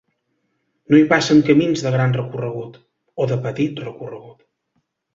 No hi passen camins de gran recorregut, o de petit recorregut.